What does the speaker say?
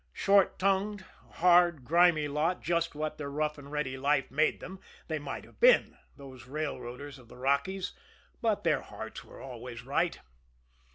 Short tongued, a hard, grimy lot, just what their rough and ready life made them, they might have been, those railroaders of the Rockies, but their hearts were always right.